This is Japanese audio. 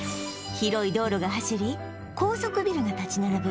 広い道路が走り高層ビルが立ち並ぶ